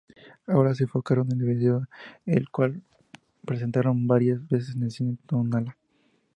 Ahora, se enfocaron en el vídeo, el cual presentaron varias veces en Cine Tonalá.